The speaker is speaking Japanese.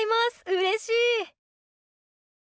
うれしい！